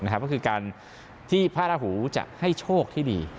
ก็คือการที่พระราหูจะให้โชคที่ดี